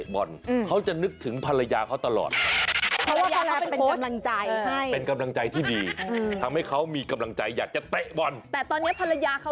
ผมนึกถึงคนหนึ่งคุณไกรสรเกรดสมที่ชายของผมค่ะ